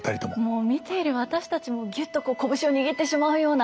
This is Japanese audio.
もう見ている私たちもぎゅっと拳を握ってしまうような。